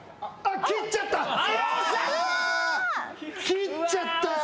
切っちゃったよ。